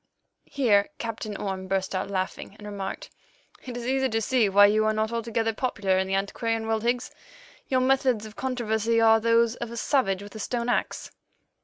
Here Captain Orme burst out laughing, and remarked, "It is easy to see why you are not altogether popular in the antiquarian world, Higgs. Your methods of controversy are those of a savage with a stone axe."